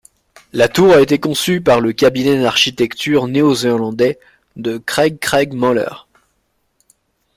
La Tour a été conçue par le cabinet d'architecture néozélandais de Craig Craig Moller.